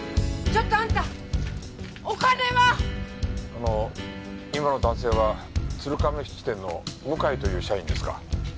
あの今の男性は鶴亀質店の向井という社員ですか？